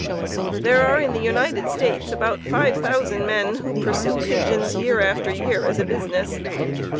There are in the United States about 5,000 men who pursue pigeons year after year as a business.